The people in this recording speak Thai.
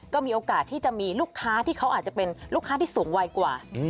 ก็มีโอกาสที่จะมีลูกค้าที่เขาอาจจะเป็นลูกค้าที่สูงวัยกว่า